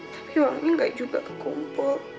tapi uangnya gak juga kekumpul